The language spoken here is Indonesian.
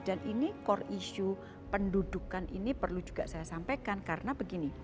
dan ini core issue pendudukan ini perlu juga saya sampaikan karena begini